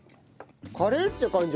カレーって感じ